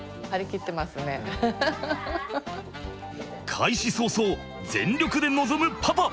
開始早々全力で臨むパパ。